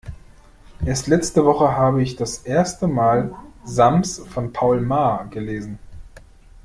Erst letzte Woche habe ich das erste mal Sams von Paul Maar gelesen.